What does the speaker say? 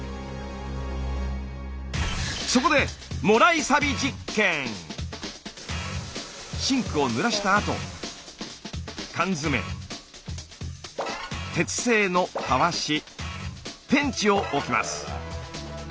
そこでシンクをぬらしたあと缶詰鉄製のタワシペンチを置きます。